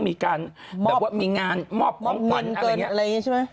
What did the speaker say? มีงานมอบของขวัญอะไรอย่างนี้มอบมินเกินอะไรอย่างนี้ใช่ไหม